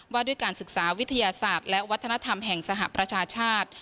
ว่าด้วยการศึกษาวิทยาศาสตร์และวัฒนธรรมแห่งสหประชาชาติ